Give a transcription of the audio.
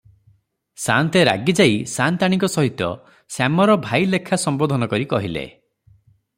ସାଆନ୍ତେ ରାଗିଯାଇ ସାଆନ୍ତାଣୀଙ୍କ ସହିତ ଶ୍ୟାମର ଭାଇଲେଖା ସମ୍ବୋଧନ କରି କହିଲେ